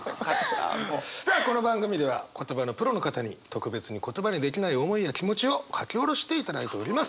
さあこの番組では言葉のプロの方に特別に言葉できない思いや気持ちを書き下ろしていただいております。